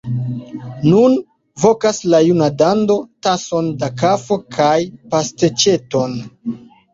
Nun vokas la juna dando: tason da kafo kaj pasteĉeton!